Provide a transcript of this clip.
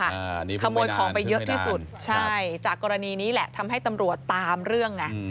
นี่พึ่งไปนานพึ่งไปนานใช่จากกรณีนี้แหละทำให้ตำรวจตามเรื่อง